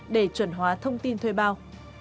để chuẩn hóa thông tin thuê bao